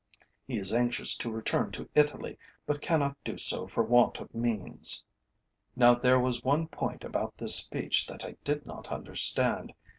He is anxious to return to Italy, but cannot do so for want of means." Now there was one point about this speech that I did not understand.